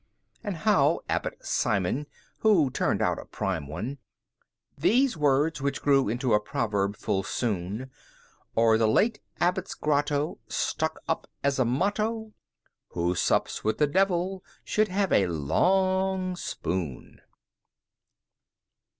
And how Abbot Simon (who turned out a prime one) These words, which grew into a proverb full soon, O'er the late Abbot's grotto, stuck up as a motto, "Who Suppes with the Deville sholde have a long spoone!"